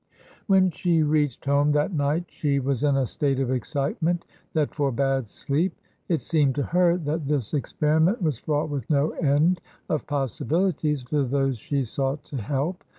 When she reached home that night she was in a state of excitement that forbade sleep. It seemed to her that this experiment was fraught with no end of possibilities for those she sought to help.